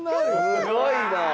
すごいな。